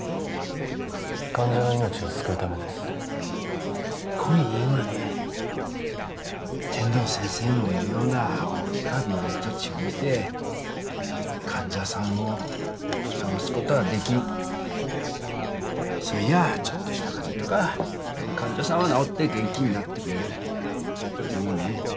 患者の命を救うためですこん医院はね天堂先生のいるような大きか病院と違うて患者さんを治すことはできんそぃやちょっとした風邪とかそげん患者さんは治って元気になってくれるでもね